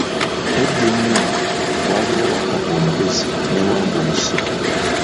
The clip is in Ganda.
Edda enyo, waaliwo Wakkapa omugezi ne Wambwa omusiru.